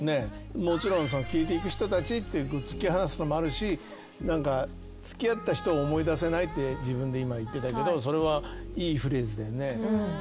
もちろん消えていく人たちって突き放すのもあるし付き合った人を思い出せないって自分で今言ってたけどそれはいいフレーズだよね。